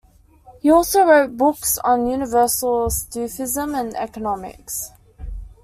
He also wrote books on Universal Sufism and economics.